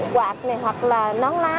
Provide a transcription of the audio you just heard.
quạt này hoặc là nón lá